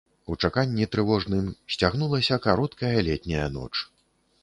У чаканні трывожным сцягнулася кароткая летняя ноч.